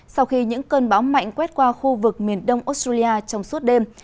sau khi những cơn bão mạnh quét qua khu vực miền đông australia trong suốt đêm